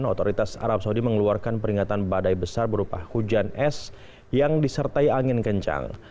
otoritas arab saudi mengeluarkan peringatan badai besar berupa hujan es yang disertai angin kencang